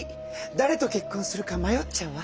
だれと結婚するか迷っちゃうわ。